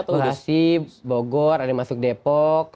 kondisi bogor ada yang masuk depok